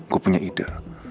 gua punya ide